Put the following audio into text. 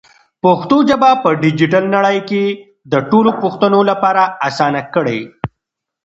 پښتو ژبه په ډیجیټل نړۍ کې د ټولو پښتنو لپاره اسانه کړئ.